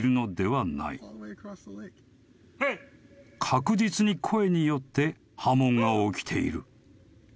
［確実に声によって波紋が起きている］